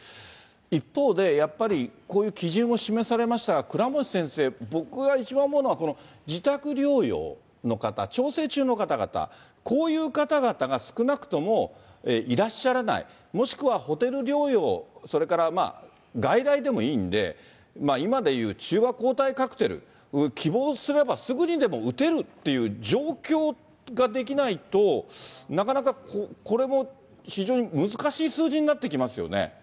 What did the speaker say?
一方で、やっぱりこういう基準を示されましたが、倉持先生、僕が一番思うのは、この自宅療養の方、調整中の方々、こういう方々が少なくともいらっしゃらない、もしくはホテル療養、それから外来でもいいんで、今でいう中和抗体カクテル、希望すればすぐにでも打てるっていう状況ができないと、なかなかこれも非常に難しい数字になってきますよね。